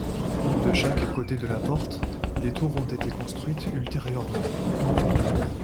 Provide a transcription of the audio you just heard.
De chaque côté de la porte, des tours ont été construites ultérieurement.